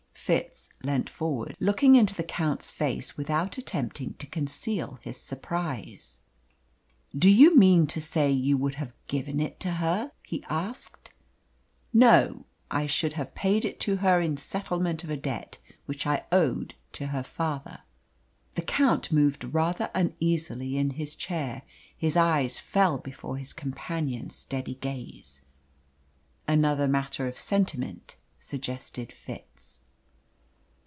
Fitz leant forward, looking into the Count's face without attempting to conceal his surprise. "Do you mean to say you would have given it to her?" he asked. "No; I should have paid it to her in settlement of a debt which I owed to her father." The Count moved rather uneasily in his chair. His eyes fell before his companion's steady gaze. "Another matter of sentiment," suggested Fitz.